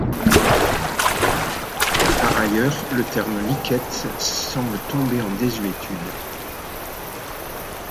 Par ailleurs le terme liquette semble tomber en désuétude.